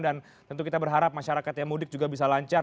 dan tentu kita berharap masyarakat mudik juga bisa lancar